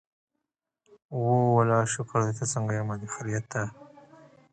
The degree of coherence is the normalized correlation of electric fields.